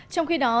trong khi đó